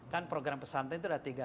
kan program pesantren itu ada tiga